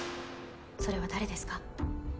それは誰ですか？